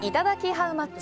ハウマッチ。